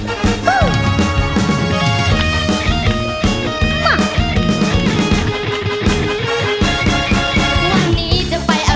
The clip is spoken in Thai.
และเป้าหมอนาคตของการอก